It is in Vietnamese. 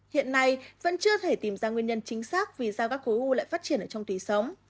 hiện nay vẫn chưa thể tìm ra nguyên nhân chính xác vì sao các khối u lại phát triển trong tùy sống